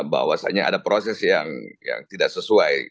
bahwasannya ada proses yang tidak sesuai